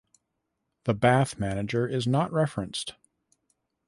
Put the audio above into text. The Bath manager is not referenced.